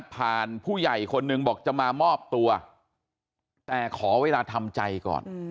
ผู้ใหญ่คนหนึ่งบอกจะมามอบตัวแต่ขอเวลาทำใจก่อน